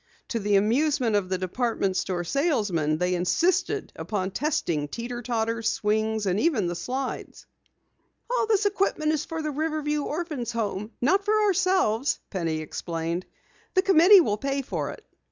To the amusement of the department store salesman, they insisted upon testing teeter totters, swings, and even the slides. "All this equipment is for the Riverview Orphans' Home not for ourselves," Penny explained. "The committee will pay for it."